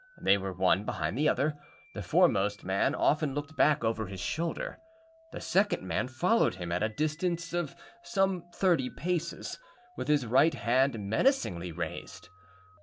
They were one behind the other. The foremost man often looked back over his shoulder. The second man followed him, at a distance of some thirty paces, with his right hand menacingly raised.